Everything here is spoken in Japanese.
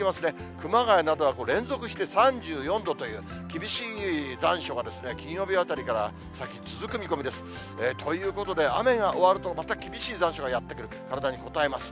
熊谷などは連続して３４度という、厳しい残暑が金曜日あたりから先、続く見込みです。ということで、雨が終わると、また厳しい残暑がやって来る、体に応えます。